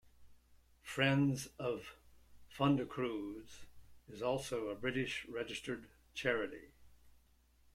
Friends of FundeCruz is also a British registered charity.